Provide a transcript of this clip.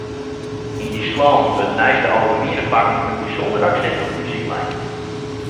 Yn dy skoallen wurdt neist de algemiene fakken in bysûnder aksint op muzyk lein.